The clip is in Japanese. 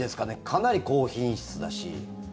かなり高品質だし。